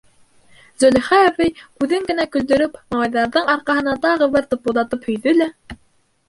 Зөләйха әбей, күҙен генә көлдөрөп, малайҙарҙың арҡаһынан тағы бер тыпылдатып һөйҙө лә: